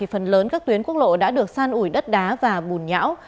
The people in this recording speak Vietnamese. phần lớn các tuyến quốc lộ đã được san ủi đất đá và bùn nhão